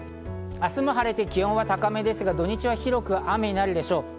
明日も晴れて気温は高めですが、土日は広く雨になるでしょう。